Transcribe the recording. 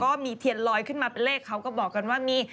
ก็มีทะเบียนลอยขึ้นมาเป็นเลขเขาก็บอกกันว่ามี๕๐๐๙๐๐